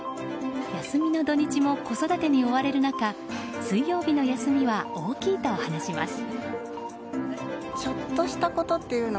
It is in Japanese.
休みの土日も子育てに追われる中水曜日の休みは大きいと話します。